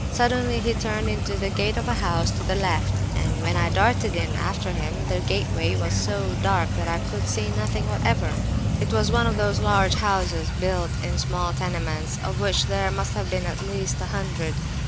Suddenly he turned into the gate of a house to the left; and when I darted in after him, the gateway was so dark that I could see nothing whatever. It was one of those large houses built in small tenements, of which there must have been at least a hundred.